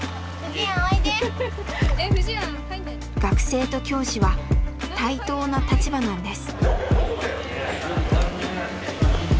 学生と教師は対等な立場なんです。